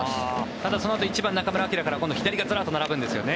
ただ、そのあと１番、中村晃から今度、左がずらっと並ぶんですよね。